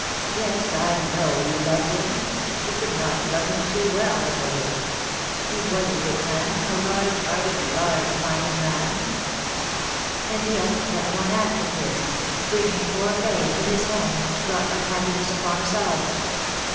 " Yes, I know you loved him. You could not love him too well, Mildred. He was a good man a large hearted, large minded man." " And yet that one act of his, bringing poor Fay into his home, brought unhappiness upon us all.